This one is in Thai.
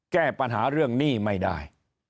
แก้ปัญหาเรื่องหนี้ไม่ได้